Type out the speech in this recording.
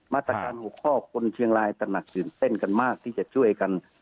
มาตรการหัวข้อคนเชียงรายตระหนักตื่นเต้นกันมากที่จะช่วยกัน